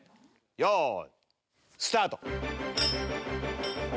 よいスタート！